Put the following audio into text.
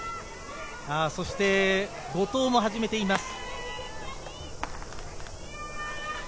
そして後藤も始めています。